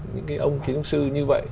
những cái ông kỹ thuật sư như vậy